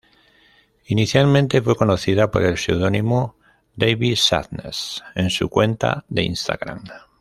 Inicialmente fue conocido por el seudónimo 'David Sadness' en su cuenta de Instagram.